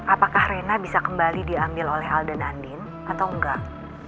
apakah reina bisa kembali diambil oleh al dan andin atau enggak